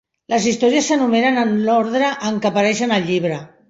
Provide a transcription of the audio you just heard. Les histories s'enumeren en l'ordre en què apareixen al llibre.